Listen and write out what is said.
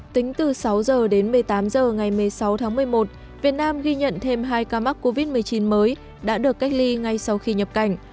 tính từ sáu h đến một mươi tám h ngày một mươi sáu tháng một mươi một việt nam ghi nhận thêm hai ca mắc covid một mươi chín mới đã được cách ly ngay sau khi nhập cảnh